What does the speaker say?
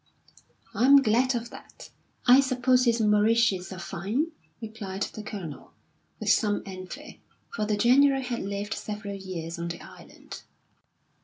"I'm glad of that. I suppose his Mauritius are fine?" replied the Colonel, with some envy, for the general had lived several years on the island.